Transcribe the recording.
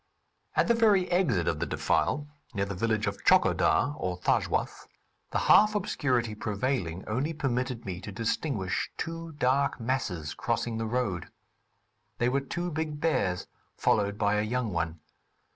At the very exit of the defile, near the village of Tchokodar, or Thajwas, the half obscurity prevailing only permitted me to distinguish two dark masses crossing the road. They were two big bears followed by a young one.